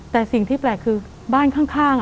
แต่สิ่งที่แปลกคือบ้านข้าง